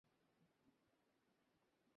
আরেকটা কুত্তা, স্যার।